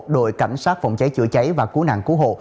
đội cảnh sát phòng cháy chữa cháy và cứu nạn cứu hộ